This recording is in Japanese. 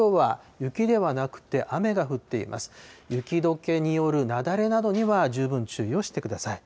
雪どけによる雪崩などには十分注意をしてください。